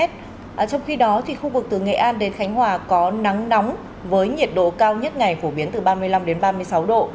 trong khi đó khu vực từ nghệ an đến khánh hòa có nắng nóng với nhiệt độ cao nhất ngày phổ biến từ ba mươi năm ba mươi sáu độ